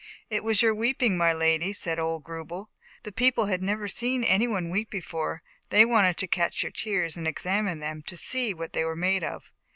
" "It was your weeping, my little lady," said old Grubel. "The people had never seen any one weep before, they wanted to catch your tears and examine them, to see what they were made of."